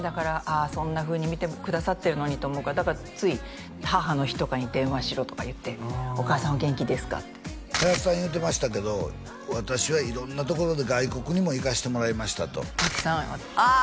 そんなふうに見てくださってるのにと思うからだからつい母の日とかに「電話しろ」とか言って「お母さんお元気ですか」って林さん言うてましたけど私は色んな所で外国にも行かせてもらいましたとたくさんああ